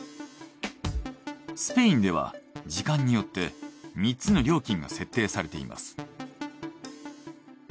スペインでは時間によって３つの料金が設定されています。